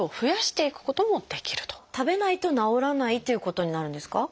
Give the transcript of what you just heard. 食べないと治らないということになるんですか？